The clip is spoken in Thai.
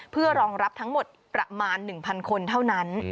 เพื่อรองรับทั้งหมดประมาณ๑๐๐คนเท่านั้น